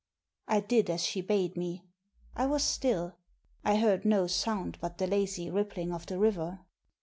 I did as she bade me. I was stilL I heard no sound but the lazy rippling of the river.